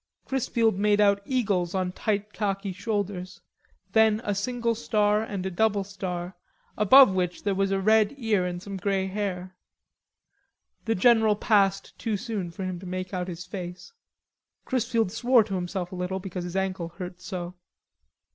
Chrisfield made out eagles on tight khaki shoulders, then a single star and a double star, above which was a red ear and some grey hair; the general passed too soon for him to make out his face. Chrisfield swore to himself a little because his ankle hurt so.